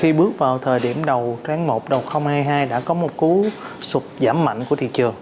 khi bước vào thời điểm đầu tráng một đầu hai mươi hai đã có một cú sụp giảm mạnh của thị trường